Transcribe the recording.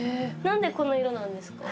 何でこの色なんですか？